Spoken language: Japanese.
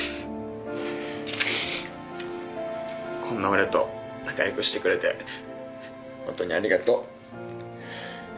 「こんな俺と仲良くしてくれてホントにありがとう」。